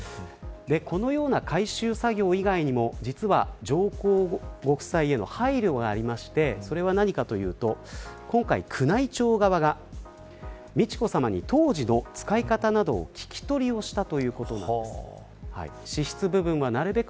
このような改修作業以外にも実は上皇ご夫妻への配慮がありましてそれは何かというと今回、宮内庁側が美智子さまに、当時の使い方などを聞き取りしたということなんです。